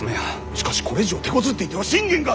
しかしこれ以上てこずっていては信玄が！